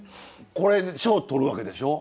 これで賞取るわけでしょ。